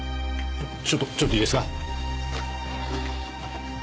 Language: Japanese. ちょっとちょっといいですか。